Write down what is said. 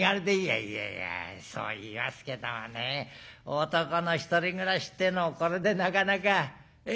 「いやいやそう言いますけどもね男の１人暮らしっていうのもこれでなかなかええ